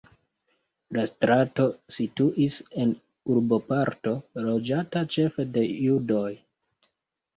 La strato situis en urboparto loĝata ĉefe de judoj.